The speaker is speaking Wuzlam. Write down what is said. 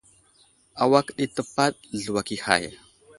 Awak di təpaɗ zluwak i hay.